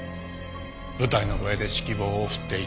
舞台の上で指揮棒を振っていた。